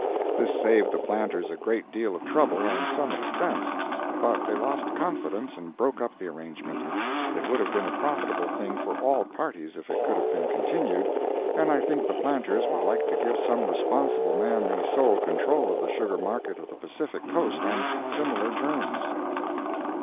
This saved the planters a great deal of trouble and some expense, but they lost confidence and broke up the arrangement. It would have been a profitable thing for all parties if it could have been continued, and I think the planters would like to give some responsible man the sole control of the sugar market of the Pacific coast on similar terms.